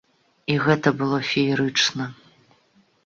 І гэта было феерычна!